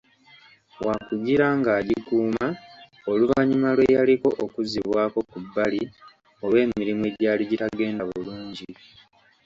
Waakugira ng'agikuuma oluvannyuma lw'eyaliko okuzzibwako ku bbali olw'emirimu egyali gitagenda bulungi.